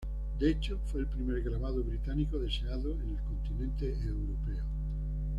De hecho, fue el primer grabado británico deseado en el continente europeo.